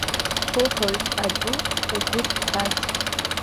Суҳәоит, Аду угәы дҭаз!